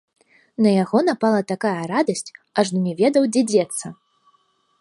На яго напала такая радасць, ажно не ведаў, дзе дзецца.